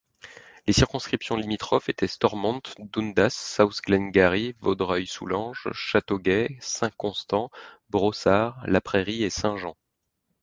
Les circonscriptions limitrophes étaient Stormont—Dundas—South Glengarry, Vaudreuil-Soulanges, Châteauguay—Saint-Constant, Brossard—La Prairie et Saint-Jean.